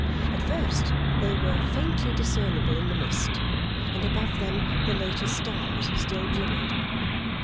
At first they were faintly discernible in the mist, and above them the later stars still glimmered.